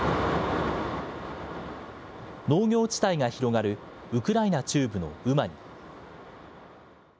農業地帯が広がるウクライナ中部のウマニ。